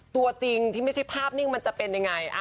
ตัวจริงที่ไม่ใช่ภาพนิ่งมันจะเป็นยังไง